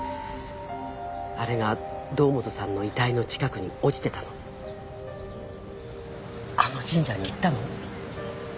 あれが堂本さんの遺体の近くに落ちてたのあの神社に行ったの？